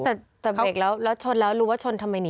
แต่จับเด็กแล้วชนแล้วรู้ว่าชนทำไมหนี